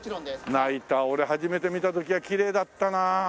ナイター俺初めて見た時はきれいだったな。